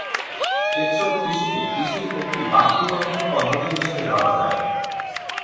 টেকসই কৃষিকে কৃষির একটি বাস্তুতন্ত্র পদ্ধতি হিসেবে ধরা যায়।